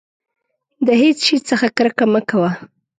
د هېڅ شي څخه کرکه مه کوه.